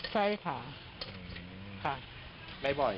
ใช่ค่ะ